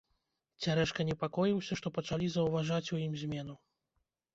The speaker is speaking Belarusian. Цярэшка непакоіўся, што пачалі заўважаць у ім змену.